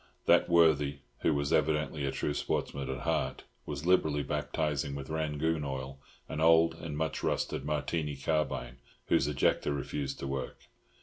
That worthy, who was evidently a true sportsman at heart, was liberally baptising with Rangoon oil an old and much rusted Martini carbine, whose ejector refused to work.